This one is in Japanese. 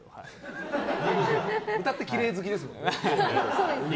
豚ってきれい好きですもんね。